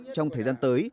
trong thời gian tới